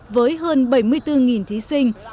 với hơn bảy mươi bốn thí sinh